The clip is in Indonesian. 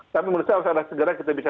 tapi menurut saya harus ada segera kita bisa